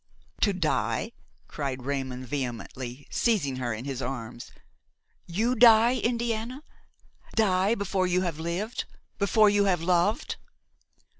"To die!" cried Raymon vehemently, seizing her in his arms; "you, die! Indiana! die before you have lived–before you have loved!